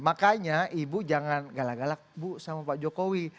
makanya ibu jangan galak galak bu sama pak jokowi